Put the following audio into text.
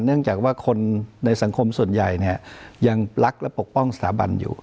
เนื่องจากว่าคนในสังคมส่วนใหญ่เนี่ยยังรักและปกป้องสถาบันอยู่